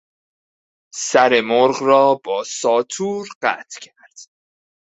سر مرغ را با ساطور قطع کرد.